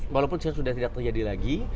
walaupun sudah tidak terjadi lagi